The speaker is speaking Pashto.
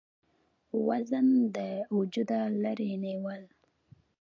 وزن د وجوده لرې نيول ،